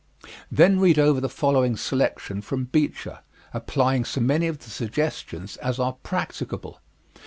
Then read over the following selection from Beecher, applying so many of the suggestions as are practicable.